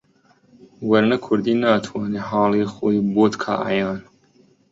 وەرنە کوردی ناتوانێ حاڵی خۆی بۆت کا عەیان